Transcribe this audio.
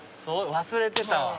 忘れてたわ。